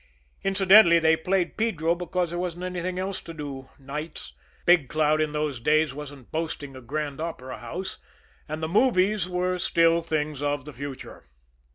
Incidentally, they played pedro because there wasn't anything else to do nights Big Cloud in those days wasn't boasting a grand opera house, and the "movies" were still things of the future.